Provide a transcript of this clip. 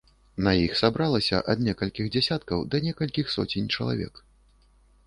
На іх сабралася ад некалькіх дзясяткаў да некалькіх соцень чалавек.